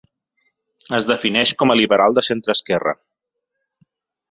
Es defineix com a liberal de centreesquerra.